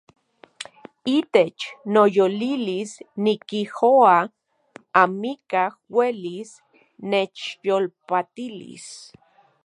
Itech noyolilis nikijoa amikaj uelis nechyolpatilis.